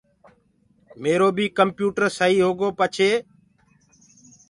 ميرو بي ڪمپِيوٽر سئيٚ هوگو پڇي